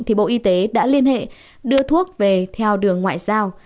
thì bộ y tế đã liên hệ đưa thuốc về theo đường ngoại giao